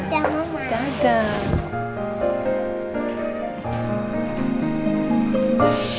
ya tadi mama sarah telfon